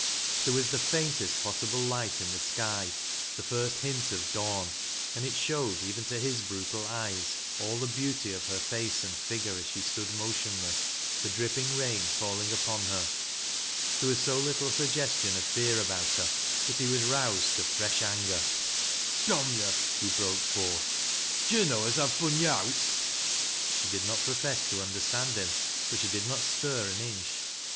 There was the faintest possible light in the sky, the first . int of dawn, and it showed even to his brutal eyes all (he beauty of her face and figure as she stood m( tionless, the dripping rain falling upon her ; there was bo little inggestion of fear about her that he was roused to fresb anger 166 THAT LASH (T LO WSl^S. "Dom yo'l" he broke forth. "Do yo' know as I've funyo' oat?" She did not profess not to understand him, but she did not stir an inch.